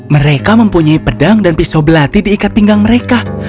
mereka mempunyai pedang dan pisau belati diikat pinggang mereka